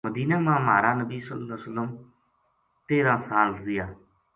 مدینہ ما مہار نبی ﷺ تیرا سال رہیا۔